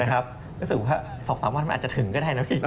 รู้สึกว่า๒๓วันมันอาจจะถึงก็ได้นะพี่